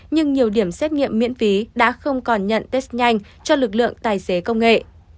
nhưng nhiều điểm xét nghiệm miễn phí đã không còn nhận test nhanh cho lực lượng tài xế công nghệ